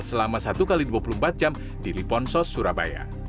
selama satu x dua puluh empat jam di liponsos surabaya